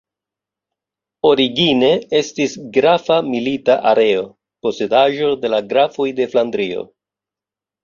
Origine estis grafa milita areo, posedaĵo de la grafoj de Flandrio.